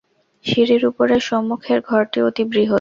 সিঁড়ির উপরে সম্মুখের ঘরটি অতি বৃহৎ।